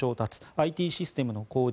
ＩＴシステムの構築